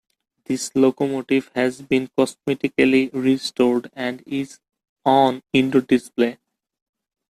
This locomotive has been cosmetically restored, and is on indoor display.